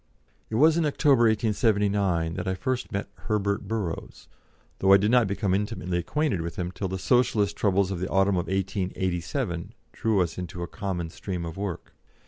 It was in October, 1879, that I first met Herbert Burrows, though I did not become intimately acquainted with him till the Socialist troubles of the autumn of 1887 drew us into a common stream of work.